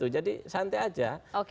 jadi santai aja